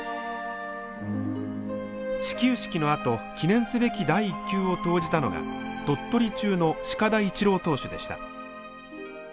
始球式のあと記念すべき第１球を投じたのが鳥取中の鹿田一郎投手でした。